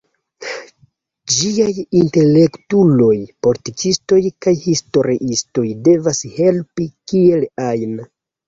Ĝiaj intelektuloj, politikistoj kaj historiistoj devas helpi kiel ajn.